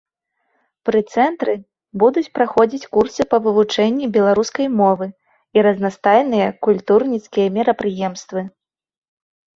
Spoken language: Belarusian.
Пры цэнтры будуць праходзіць курсы па вывучэнні беларускай мовы і разнастайныя культурніцкія мерапрыемствы.